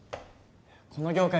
この業界